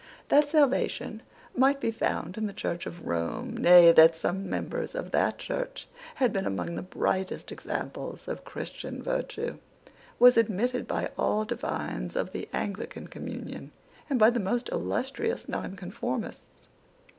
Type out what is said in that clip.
That salvation might be found in the Church of Rome, nay, that some members of that Church had been among the brightest examples of Christian virtue, was admitted by all divines of the Anglican communion and by the most illustrious Nonconformists.